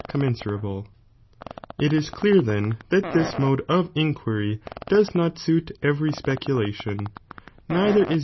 f It ia clear then that this mode of inquiry does not suit every speculation, neither is u.'